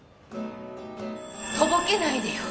とぼけないでよ